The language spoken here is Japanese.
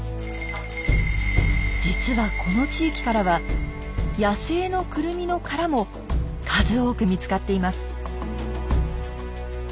実はこの地域からは野生のクルミの殻も数多く見つかっています。